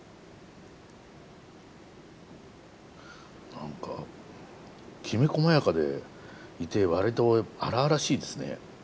何かきめこまやかでいてわりと荒々しいですね。